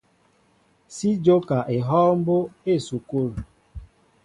Si jóka ehɔw mbóʼ á esukul.